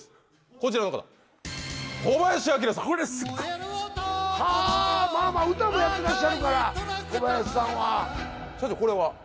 こちらの方これすごいまあまあ歌もやってらっしゃるから小林さんは社長これは？